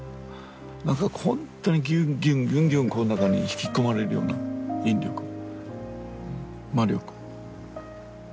何か本当にギュンギュンギュンギュンこの中に引き込まれるような引力魔力。